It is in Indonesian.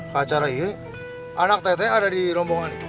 ke acara ii anak teteh ada di lombongan itu